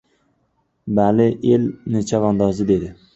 — Bali, el chavandozi, — dedi.